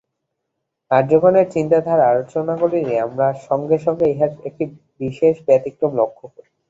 আর্যগণের চিন্তাধারা আলোচনা করিলে আমরা সঙ্গে সঙ্গে ইহার একটি বিশেষ ব্যতিক্রম লক্ষ্য করি।